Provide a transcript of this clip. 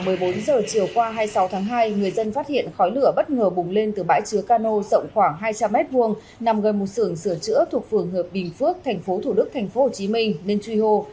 sau hai mươi bốn giờ chiều qua hai mươi sáu tháng hai người dân phát hiện khói lửa bất ngờ bùng lên từ bãi chứa cano rộng khoảng hai trăm linh m hai nằm gây một sườn sửa chữa thuộc phường hợp bình phước thành phố thủ đức thành phố hồ chí minh nên truy hô